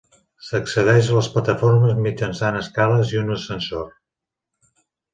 S'accedeix a les plataformes mitjançant escales i un ascensor.